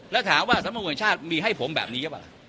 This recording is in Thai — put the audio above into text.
แล้วถามว่าสรรพงศาสตร์มีให้ผมแบบนี้หรือเปล่า